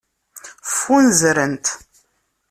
Ffunzrent.